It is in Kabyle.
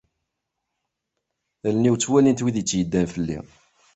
Allen-iw ttwalint wid i tt-iddan fell-i.